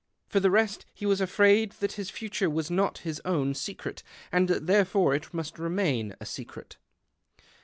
For the rest he was afraid that [lis future was not his own secret, and that therefore it must remain a secret.